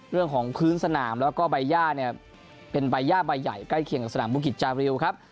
เรื่องของพื้นสนามแล้วก็ใบย่าเนี่ยเป็นใบย่าใบใหญ่ใกล้เคียงกับสนามบุกิจจาริวครับ